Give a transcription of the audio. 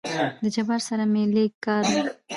د جبار سره مې لېږ کار وو.